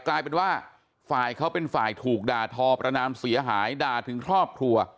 กลายเป็นว่าฝ่ายเขาเป็นฝ่ายถูกด่าทอประนามเสียหายด่าถึงครอบครัว